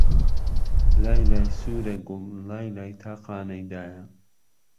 لای لای سووره گوڵ، لای لای تاقانهی دایه